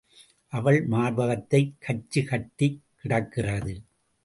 அவள் மார்பகத்தைக் கச்சு கட்டிக் கிடக்கிறது.